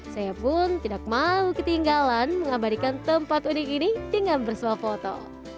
saya pun tidak mau ketinggalan mengabadikan tempat unik ini dengan bersuah foto